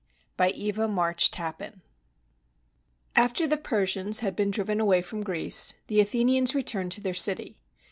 ] BY EVA MARCH TAPPAN After the Persians had been driven away from Greece, the Athenians returned to their city.